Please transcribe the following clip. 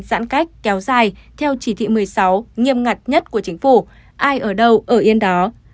giãn cách kéo dài theo chỉ thị một mươi sáu nghiêm ngặt nhất của chính phủ ai ở đâu ở yên đó